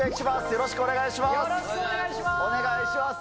よろしくお願いします。